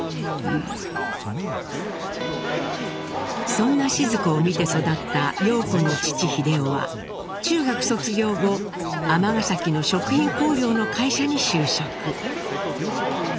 そんなシヅ子を見て育った陽子の父英夫は中学卒業後尼崎の食品香料の会社に就職。